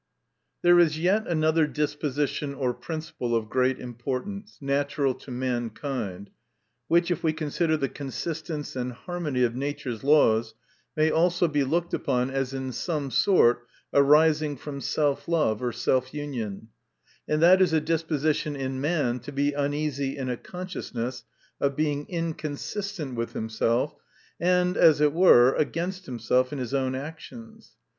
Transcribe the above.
There is yet another disposition or principle, of great importance, natural to mankind ; which, if we consider the consistence and harmony of nature's laws, may also be looked upon as in some sort arising from self love, or self union : and that is a disposition in man to be uneasy in a consciousness of being inconsistent with himself, and as it were, against himself, in his own actions.